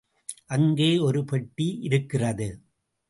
அங்கே ஒரு பெட்டி இருக்கிறது.